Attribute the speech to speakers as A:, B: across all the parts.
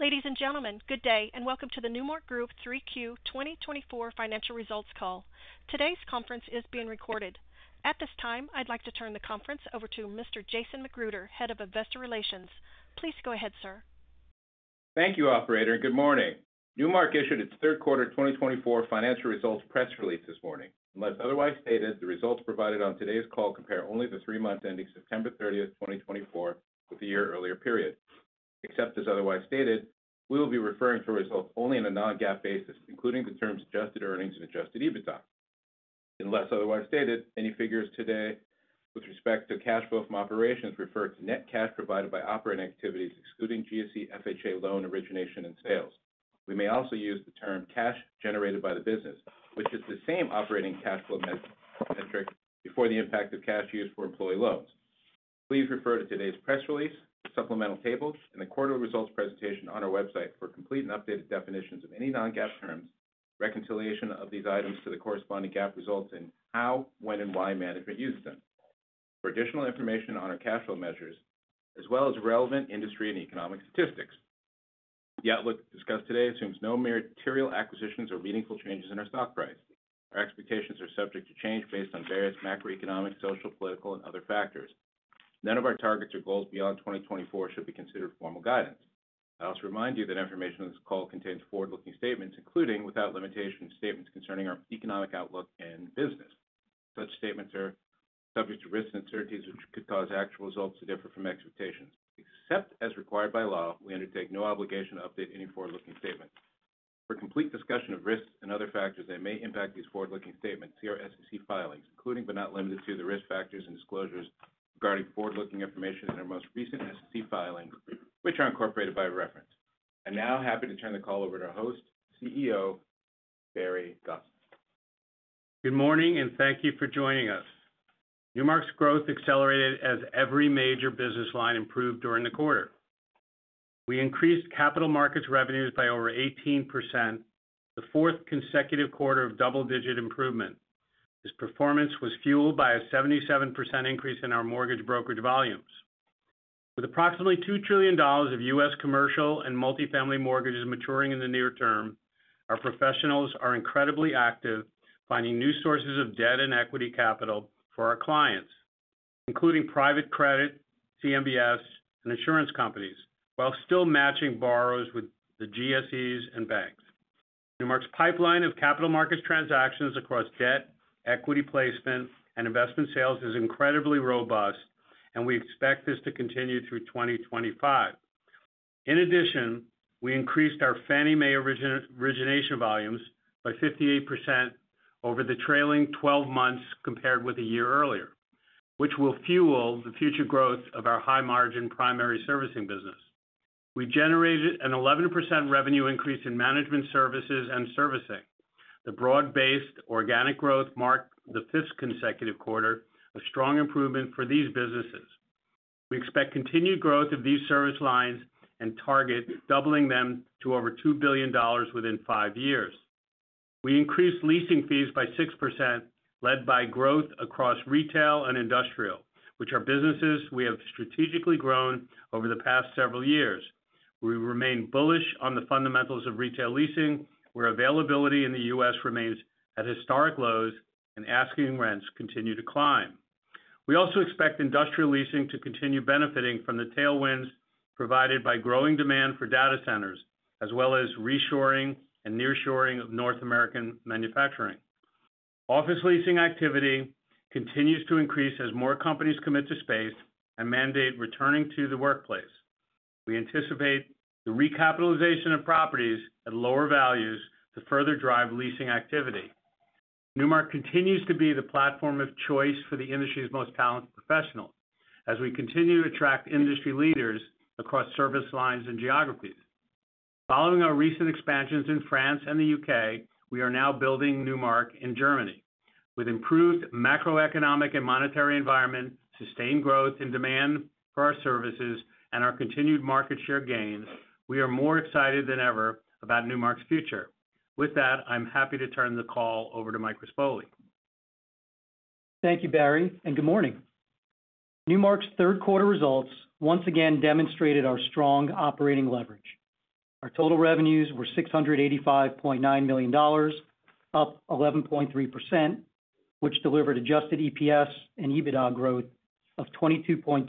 A: Ladies and gentlemen, good day, and welcome to the Newmark Group 3Q 2024 financial results call. Today's conference is being recorded. At this time, I'd like to turn the conference over to Mr. Jason McGruder, Head of Investor Relations. Please go ahead, sir.
B: Thank you, Operator, and good morning. Newmark issued its third quarter 2024 financial results press release this morning. Unless otherwise stated, the results provided on today's call compare only the three months ending September 30, 2024, with the year earlier. Except as otherwise stated, we will be referring to results only on a non-GAAP basis, including the terms adjusted earnings and adjusted EBITDA. Unless otherwise stated, any figures today with respect to cash flow from operations refer to net cash provided by operating activities, excluding GSE/FHA loan origination and sales. We may also use the term cash generated by the business, which is the same operating cash flow metric before the impact of cash used for employee loans. Please refer to today's press release, the supplemental tables, and the quarterly results presentation on our website for complete and updated definitions of any non-GAAP terms, reconciliation of these items to the corresponding GAAP results, and how, when, and why management uses them. For additional information on our cash flow measures, as well as relevant industry and economic statistics, the outlook discussed today assumes no material acquisitions or meaningful changes in our stock price. Our expectations are subject to change based on various macroeconomic, social, political, and other factors. None of our targets or goals beyond 2024 should be considered formal guidance. I also remind you that information on this call contains forward-looking statements, including, without limitation, statements concerning our economic outlook and business. Such statements are subject to risks and uncertainties, which could cause actual results to differ from expectations. Except as required by law, we undertake no obligation to update any forward-looking statements. For complete discussion of risks and other factors that may impact these forward-looking statements, see our SEC filings, including, but not limited to, the risk factors and disclosures regarding forward-looking information in our most recent SEC filings, which are incorporated by reference. I'm now happy to turn the call over to our host, CEO Barry Gosin.
C: Good morning, and thank you for joining us. Newmark's growth accelerated as every major business line improved during the quarter. We increased capital markets revenues by over 18%, the fourth consecutive quarter of double-digit improvement. This performance was fueled by a 77% increase in our mortgage brokerage volumes. With approximately $2 trillion of U.S. commercial and multifamily mortgages maturing in the near term, our professionals are incredibly active, finding new sources of debt and equity capital for our clients, including private credit, CMBS, and insurance companies, while still matching borrowers with the GSEs and banks. Newmark's pipeline of capital markets transactions across debt, equity placement, and investment sales is incredibly robust, and we expect this to continue through 2025. In addition, we increased our Fannie Mae origination volumes by 58% over the trailing 12 months compared with a year earlier, which will fuel the future growth of our high-margin primary servicing business. We generated an 11% revenue increase in management services and servicing. The broad-based organic growth marked the fifth consecutive quarter of strong improvement for these businesses. We expect continued growth of these service lines and target doubling them to over $2 billion within five years. We increased leasing fees by 6%, led by growth across retail and industrial, which are businesses we have strategically grown over the past several years. We remain bullish on the fundamentals of retail leasing, where availability in the U.S. remains at historic lows, and asking rents continue to climb. We also expect industrial leasing to continue benefiting from the tailwinds provided by growing demand for data centers, as well as reshoring and nearshoring of North American manufacturing. Office leasing activity continues to increase as more companies commit to space and mandate returning to the workplace. We anticipate the recapitalization of properties at lower values to further drive leasing activity. Newmark continues to be the platform of choice for the industry's most talented professionals, as we continue to attract industry leaders across service lines and geographies. Following our recent expansions in France and the U.K., we are now building Newmark in Germany. With improved macroeconomic and monetary environment, sustained growth in demand for our services, and our continued market share gains, we are more excited than ever about Newmark's future. With that, I'm happy to turn the call over to Michael Rispoli.
D: Thank you, Barry, and good morning. Newmark's third quarter results once again demonstrated our strong operating leverage. Our total revenues were $685.9 million, up 11.3%, which delivered adjusted EPS and EBITDA growth of 22.2%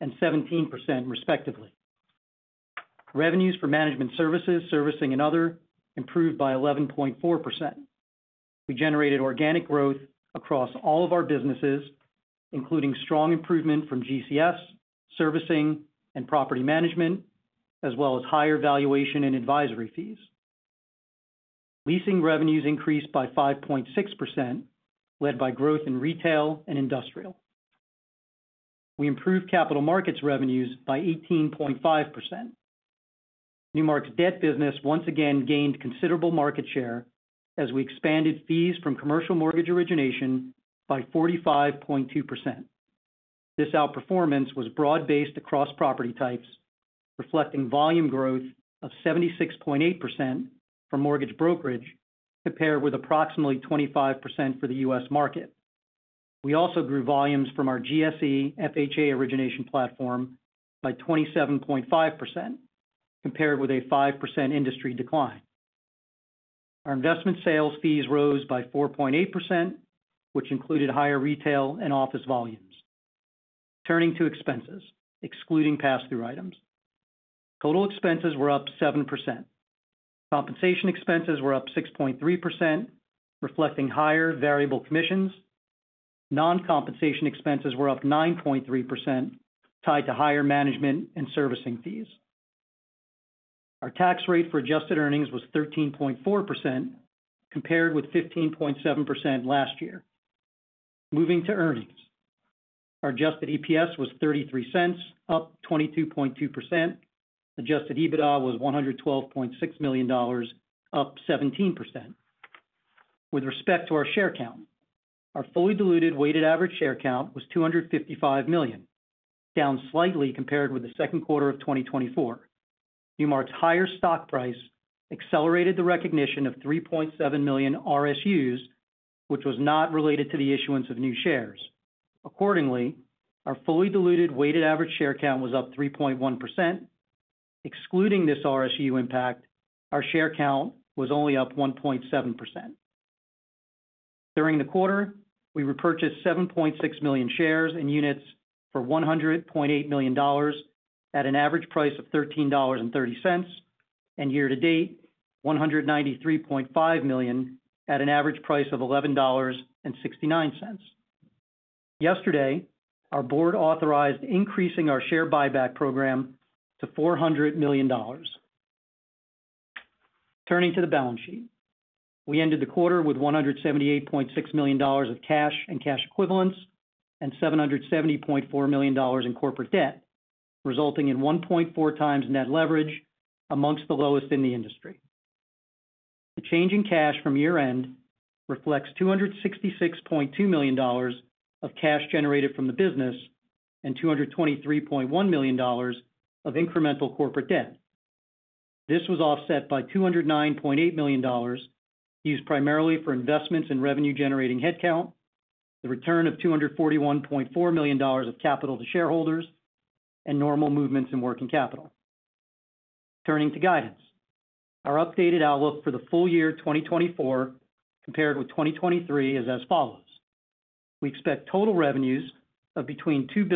D: and 17%, respectively. Revenues for management services, servicing, and other improved by 11.4%. We generated organic growth across all of our businesses, including strong improvement from GCS, servicing, and property management, as well as higher valuation and advisory fees. Leasing revenues increased by 5.6%, led by growth in retail and industrial. We improved capital markets revenues by 18.5%. Newmark's debt business once again gained considerable market share as we expanded fees from commercial mortgage origination by 45.2%. This outperformance was broad-based across property types, reflecting volume growth of 76.8% for mortgage brokerage, compared with approximately 25% for the U.S. market. We also grew volumes from our GSE FHA origination platform by 27.5%, compared with a 5% industry decline. Our investment sales fees rose by 4.8%, which included higher retail and office volumes. Turning to expenses, excluding pass-through items, total expenses were up 7%. Compensation expenses were up 6.3%, reflecting higher variable commissions. Non-compensation expenses were up 9.3%, tied to higher management and servicing fees. Our tax rate for adjusted earnings was 13.4%, compared with 15.7% last year. Moving to earnings, our adjusted EPS was $0.33, up 22.2%. Adjusted EBITDA was $112.6 million, up 17%. With respect to our share count, our fully diluted weighted average share count was 255 million, down slightly compared with the second quarter of 2024. Newmark's higher stock price accelerated the recognition of 3.7 million RSUs, which was not related to the issuance of new shares. Accordingly, our fully diluted weighted average share count was up 3.1%. Excluding this RSU impact, our share count was only up 1.7%. During the quarter, we repurchased 7.6 million shares and units for $100.8 million at an average price of $13.30, and year-to-date, $193.5 million at an average price of $11.69. Yesterday, our board authorized increasing our share buyback program to $400 million. Turning to the balance sheet, we ended the quarter with $178.6 million of cash and cash equivalents and $770.4 million in corporate debt, resulting in 1.4 times net leverage, among the lowest in the industry. The change in cash from year-end reflects $266.2 million of cash generated from the business and $223.1 million of incremental corporate debt. This was offset by $209.8 million used primarily for investments in revenue-generating headcount, the return of $241.4 million of capital to shareholders, and normal movements in working capital. Turning to guidance, our updated outlook for the full year 2024, compared with 2023, is as follows. We expect total revenues of between $2.62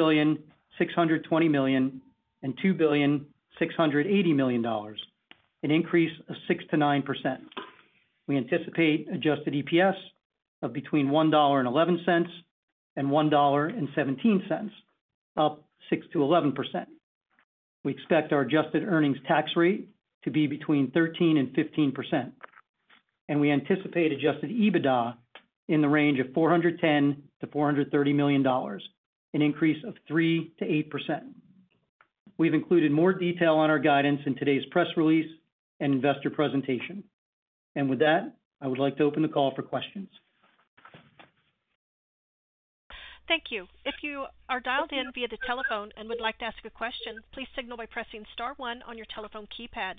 D: billion and $2.68 billion, an increase of 6%-9%. We anticipate adjusted EPS of between $1.11-$1.17, up 6%-11%. We expect our adjusted earnings tax rate to be between 13%-15%, and we anticipate adjusted EBITDA in the range of $410-$430 million, an increase of 3%-8%. We've included more detail on our guidance in today's press release and investor presentation. And with that, I would like to open the call for questions.
A: Thank you. If you are dialed in via the telephone and would like to ask a question, please signal by pressing Star one on your telephone keypad.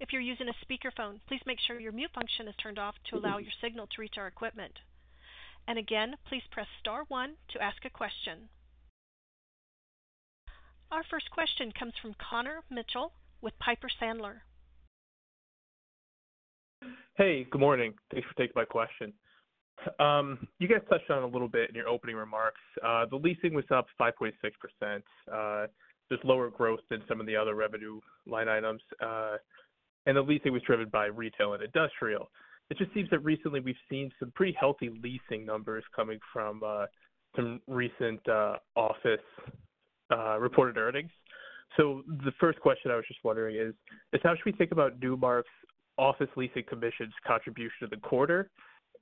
A: If you're using a speakerphone, please make sure your mute function is turned off to allow your signal to reach our equipment. And again, please press Star 1 to ask a question. Our first question comes from Connor Mitchell with Piper Sandler.
E: Hey, good morning. Thanks for taking my question. You guys touched on it a little bit in your opening remarks. The leasing was up 5.6%, just lower growth than some of the other revenue line items, and the leasing was driven by retail and industrial. It just seems that recently we've seen some pretty healthy leasing numbers coming from some recent office reported earnings. So the first question I was just wondering is, how should we think about Newmark's office leasing commission's contribution to the quarter,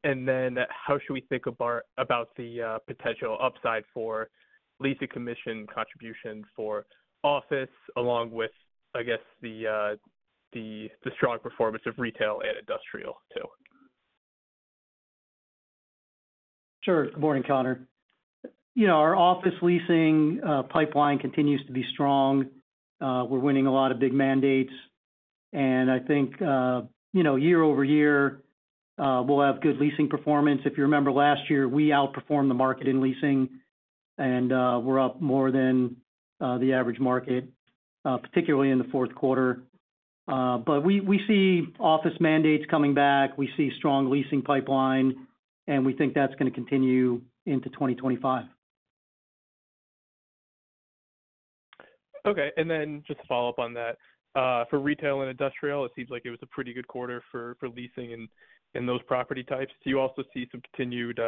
E: and then how should we think about the potential upside for leasing commission contribution for office, along with, I guess, the strong performance of retail and industrial too?
D: Sure. Good morning, Connor. Our office leasing pipeline continues to be strong. We're winning a lot of big mandates, and I think year over year, we'll have good leasing performance. If you remember last year, we outperformed the market in leasing, and we're up more than the average market, particularly in the fourth quarter. But we see office mandates coming back. We see a strong leasing pipeline, and we think that's going to continue into 2025.
E: Okay. And then just to follow up on that, for retail and industrial, it seems like it was a pretty good quarter for leasing in those property types. Do you also see some continued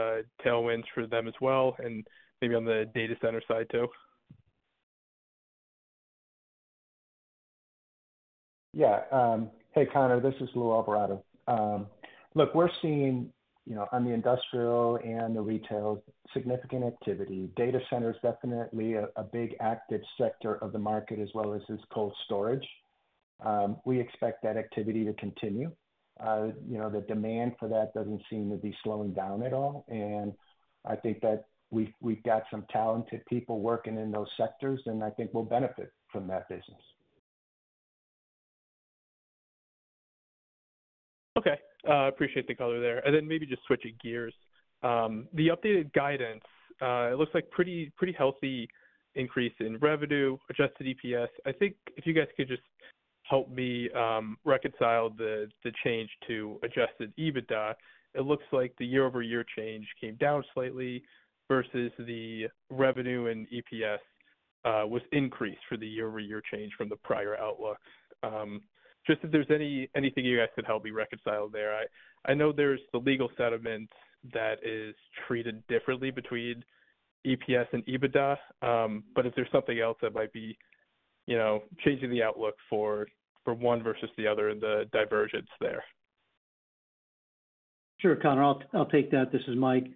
E: tailwinds for them as well, and maybe on the data center side too?
F: Yeah. Hey, Connor, this is Lou Alvarado. Look, we're seeing on the industrial and the retail significant activity. Data center is definitely a big active sector of the market, as well as this cold storage. We expect that activity to continue. The demand for that doesn't seem to be slowing down at all, and I think that we've got some talented people working in those sectors, and I think we'll benefit from that business.
E: Okay. Appreciate the color there. And then maybe just switching gears, the updated guidance, it looks like a pretty healthy increase in revenue, adjusted EPS. I think if you guys could just help me reconcile the change to adjusted EBITDA, it looks like the year-over-year change came down slightly versus the revenue and EPS was increased for the year-over-year change from the prior outlook. Just if there's anything you guys could help me reconcile there. I know there's the legal settlement that is treated differently between EPS and EBITDA, but is there something else that might be changing the outlook for one versus the other in the divergence there?
D: Sure, Connor. I'll take that. This is Mike.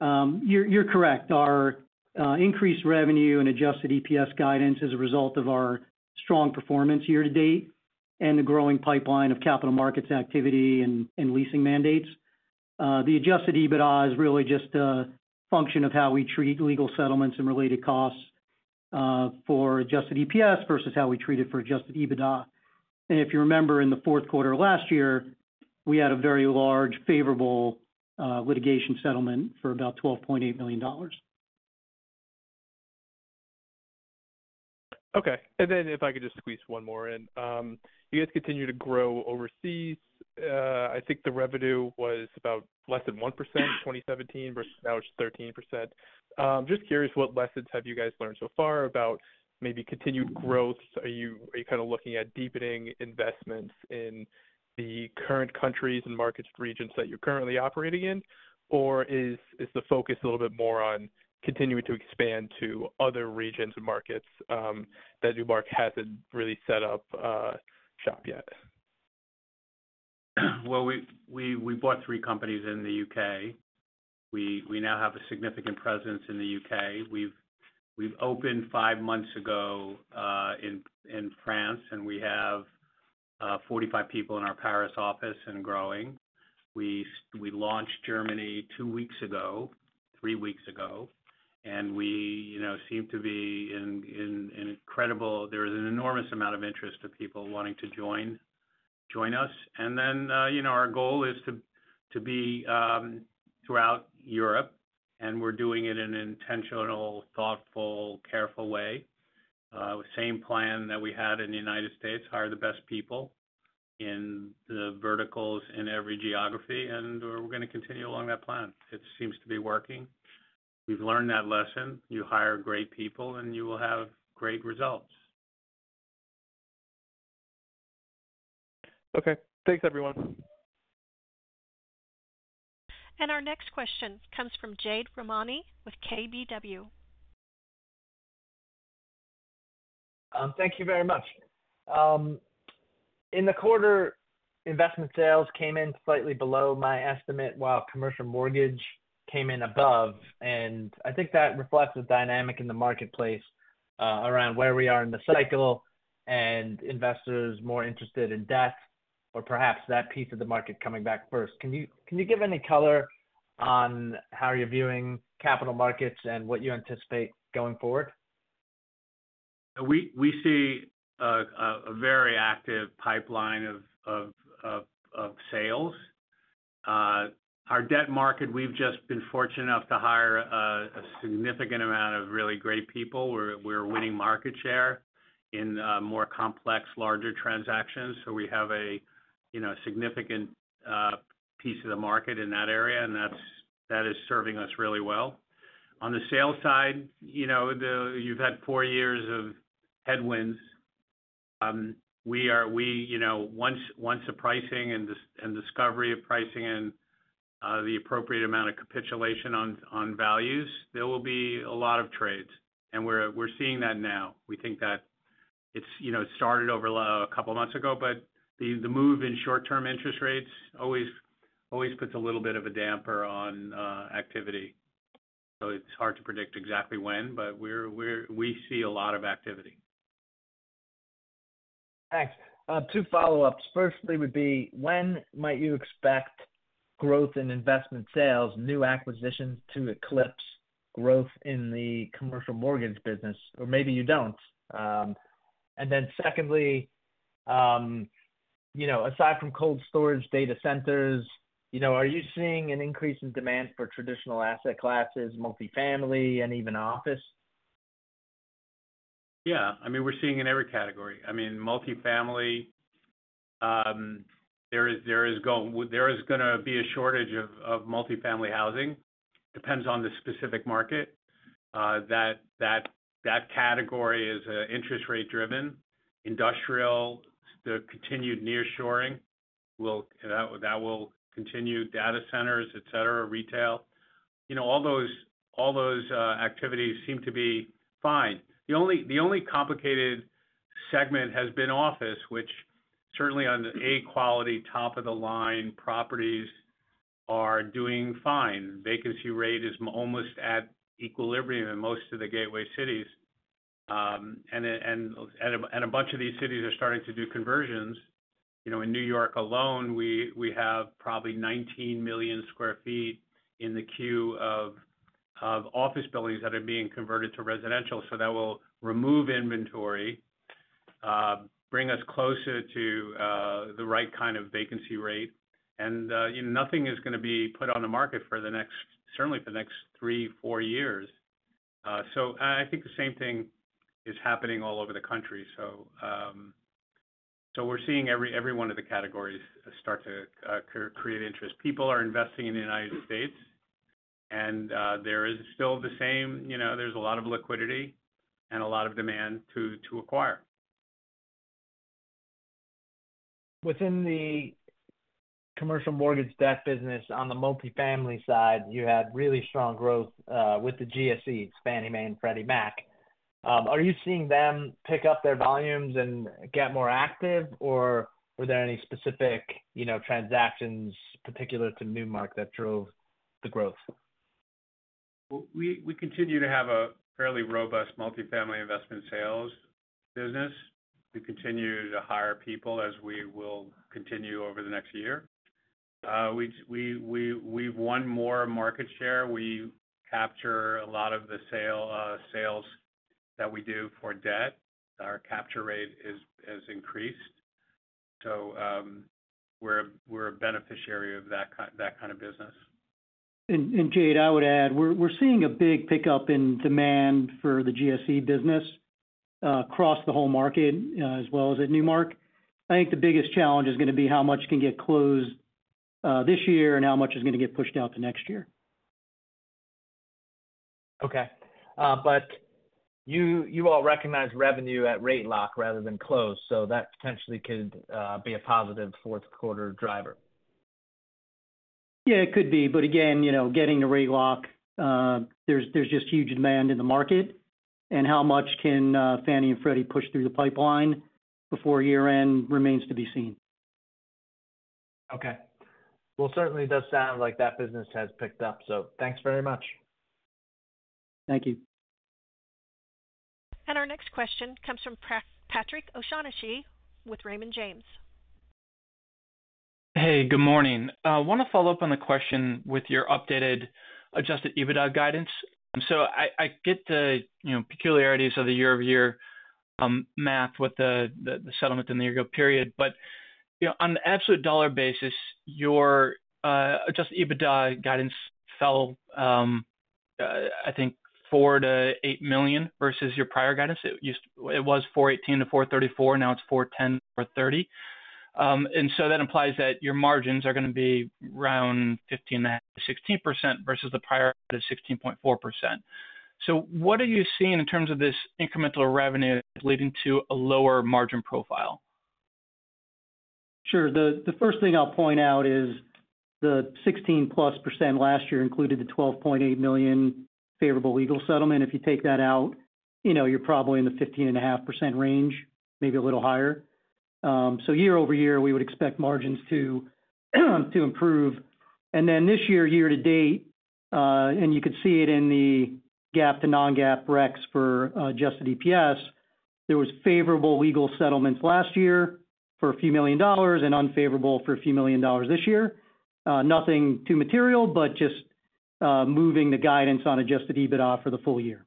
D: You're correct. Our increased revenue and adjusted EPS guidance is a result of our strong performance year-to-date and the growing pipeline of capital markets activity and leasing mandates. The adjusted EBITDA is really just a function of how we treat legal settlements and related costs for adjusted EPS versus how we treat it for adjusted EBITDA. And if you remember, in the fourth quarter of last year, we had a very large, favorable litigation settlement for about $12.8 million.
E: Okay. And then if I could just squeeze one more in, you guys continue to grow overseas. I think the revenue was about less than 1% in 2017 versus now it's 13%. Just curious, what lessons have you guys learned so far about maybe continued growth? Are you kind of looking at deepening investments in the current countries and market regions that you're currently operating in, or is the focus a little bit more on continuing to expand to other regions and markets that Newmark hasn't really set up shop yet?
C: We bought three companies in the U.K. We now have a significant presence in the U.K. We've opened five months ago in France, and we have 45 people in our Paris office and growing. We launched Germany two weeks ago, three weeks ago, and we seem to be in incredible. There is an enormous amount of interest of people wanting to join us. Then our goal is to be throughout Europe, and we're doing it in an intentional, thoughtful, careful way. Same plan that we had in the United States: hire the best people in the verticals in every geography, and we're going to continue along that plan. It seems to be working. We've learned that lesson. You hire great people, and you will have great results.
E: Okay. Thanks, everyone.
A: Our next question comes from Jade Rahmani with KBW.
G: Thank you very much. In the quarter, investment sales came in slightly below my estimate, while commercial mortgage came in above. And I think that reflects the dynamic in the marketplace around where we are in the cycle and investors more interested in debt, or perhaps that piece of the market coming back first. Can you give any color on how you're viewing capital markets and what you anticipate going forward?
C: We see a very active pipeline of sales. Our debt market, we've just been fortunate enough to hire a significant amount of really great people. We're winning market share in more complex, larger transactions. So we have a significant piece of the market in that area, and that is serving us really well. On the sales side, you've had four years of headwinds. Once the pricing and discovery of pricing and the appropriate amount of capitulation on values, there will be a lot of trades, and we're seeing that now. We think that it started over a couple of months ago, but the move in short-term interest rates always puts a little bit of a damper on activity. So it's hard to predict exactly when, but we see a lot of activity.
G: Thanks. Two follow-ups. Firstly would be, when might you expect growth in investment sales, new acquisitions to eclipse growth in the commercial mortgage business? Or maybe you don't. And then secondly, aside from cold storage, data centers, are you seeing an increase in demand for traditional asset classes, multifamily, and even office?
C: Yeah. I mean, we're seeing in every category. I mean, multifamily, there is going to be a shortage of multifamily housing. Depends on the specific market. That category is interest rate-driven. Industrial, the continued nearshoring, that will continue data centers, etc., retail. All those activities seem to be fine. The only complicated segment has been office, which certainly on A-quality, top-of-the-line properties are doing fine. Vacancy rate is almost at equilibrium in most of the gateway cities, and a bunch of these cities are starting to do conversions. In New York alone, we have probably 19 million sq ft in the queue of office buildings that are being converted to residential. So that will remove inventory, bring us closer to the right kind of vacancy rate, and nothing is going to be put on the market for the next, certainly for the next three, four years. I think the same thing is happening all over the country. We're seeing every one of the categories start to create interest. People are investing in the United States, and there is still the same, there's a lot of liquidity and a lot of demand to acquire.
G: Within the commercial mortgage debt business, on the multifamily side, you had really strong growth with the GSEs, Fannie Mae, and Freddie Mac. Are you seeing them pick up their volumes and get more active, or were there any specific transactions, particular to Newmark, that drove the growth?
C: We continue to have a fairly robust multifamily investment sales business. We continue to hire people as we will continue over the next year. We've won more market share. We capture a lot of the sales that we do for debt. Our capture rate has increased. So we're a beneficiary of that kind of business.
D: Jade, I would add, we're seeing a big pickup in demand for the GSE business across the whole market, as well as at Newmark. I think the biggest challenge is going to be how much can get closed this year and how much is going to get pushed out to next year.
G: Okay, but you all recognize revenue at rate lock rather than close, so that potentially could be a positive fourth quarter driver.
D: Yeah, it could be. But again, getting to rate lock, there's just huge demand in the market, and how much can Fannie and Freddie push through the pipeline before year-end remains to be seen.
G: Okay. Well, certainly, it does sound like that business has picked up. So thanks very much.
D: Thank you.
A: Our next question comes from Patrick O'Shaughnessy with Raymond James.
H: Hey, good morning. I want to follow up on the question with your updated Adjusted EBITDA guidance. So I get the peculiarities of the year-over-year math with the settlement in the year-ago period, but on the absolute dollar basis, your Adjusted EBITDA guidance fell, I think, $4 million-$8 million versus your prior guidance. It was $418 million-$434 million. Now it's $410 million-$430 million. And so that implies that your margins are going to be around 15.5%-16% versus the prior at 16.4%. So what are you seeing in terms of this incremental revenue leading to a lower margin profile?
D: Sure. The first thing I'll point out is the 16+% last year included the $12.8 million favorable legal settlement. If you take that out, you're probably in the 15.5% range, maybe a little higher. So year-over-year, we would expect margins to improve. And then this year, year-to-date, and you could see it in the GAAP-to-non-GAAP recs for adjusted EPS, there were favorable legal settlements last year for a few million dollars and unfavorable for a few million dollars this year. Nothing too material, but just moving the guidance on adjusted EBITDA for the full year.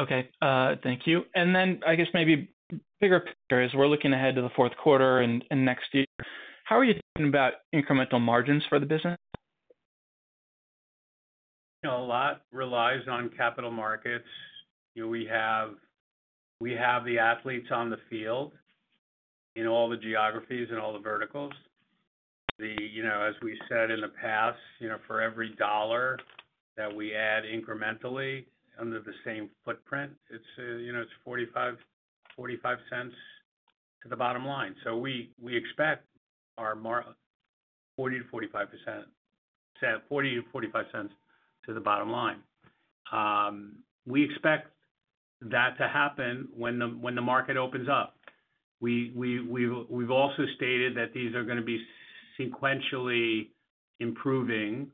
H: Okay. Thank you. And then I guess maybe bigger picture is we're looking ahead to the fourth quarter and next year. How are you thinking about incremental margins for the business?
C: A lot relies on capital markets. We have the athletes on the field in all the geographies and all the verticals. As we said in the past, for every dollar that we add incrementally under the same footprint, it's 45 cents to the bottom line. So we expect our 40%-45%, 40-45 cents to the bottom line. We expect that to happen when the market opens up. We've also stated that these are going to be sequentially improving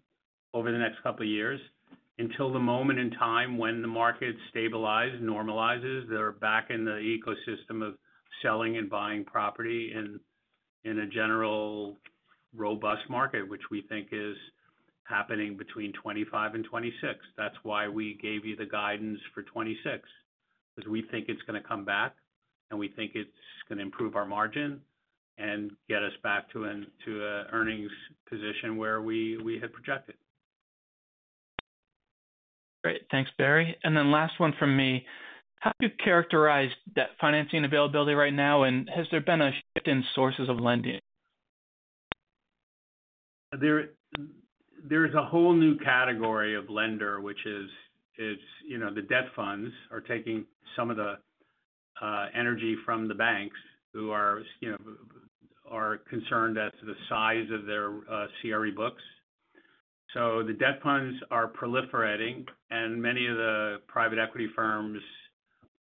C: over the next couple of years until the moment in time when the market stabilizes, normalizes. They're back in the ecosystem of selling and buying property in a general robust market, which we think is happening between 2025 and 2026. That's why we gave you the guidance for 2026, because we think it's going to come back, and we think it's going to improve our margin and get us back to an earnings position where we had projected.
H: Great. Thanks, Barry. And then last one from me. How do you characterize that financing availability right now, and has there been a shift in sources of lending?
C: There's a whole new category of lender, which is the debt funds are taking some of the energy from the banks who are concerned at the size of their CRE books. So the debt funds are proliferating, and many of the private equity firms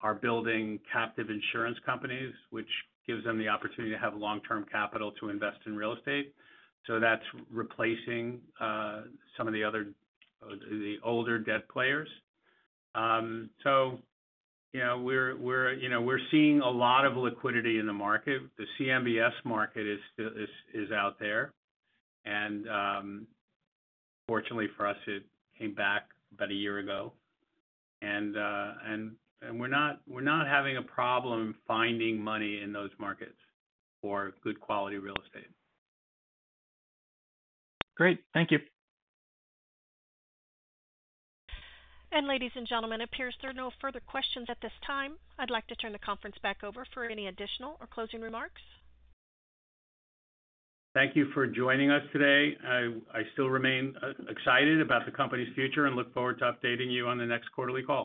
C: are building captive insurance companies, which gives them the opportunity to have long-term capital to invest in real estate. So that's replacing some of the older debt players. So we're seeing a lot of liquidity in the market. The CMBS market is out there. And fortunately for us, it came back about a year ago. And we're not having a problem finding money in those markets for good quality real estate.
H: Great. Thank you.
A: Ladies and gentlemen, it appears there are no further questions at this time. I'd like to turn the conference back over for any additional or closing remarks.
B: Thank you for joining us today. I still remain excited about the company's future and look forward to updating you on the next quarterly call.